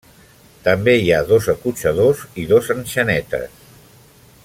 També hi ha dos acotxadors i dos enxanetes.